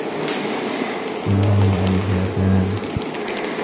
كُلُّ مَن عَلَيها فانٍ